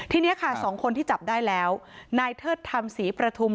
ทีนี้ค่ะสองคนที่จับได้แล้วนายเทิดธรรมศรีประทุม